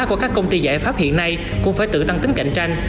và số hóa của các công ty giải pháp hiện nay cũng phải tự tăng tính cạnh tranh